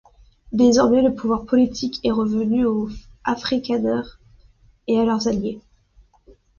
Désormais, le pouvoir politique est revenu aux Afrikaners et à leurs alliés.